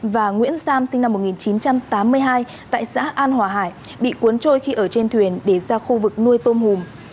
và nguyễn sam sinh năm một nghìn chín trăm tám mươi hai tại xã an hòa hải bị cuốn trôi khi ở trên thuyền để ra khu vực nuôi tôm hùm